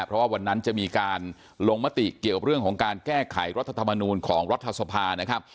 เพราะว่าวันนั้นจะมีการลงมติเกี่ยวกับเรื่องของการแก้ไขรัฐธรรมนูลของรัฐสภานะครับ